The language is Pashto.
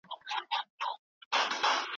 ایا د ټولنیزو رسنیو کارول ادب ته زیان رسوي؟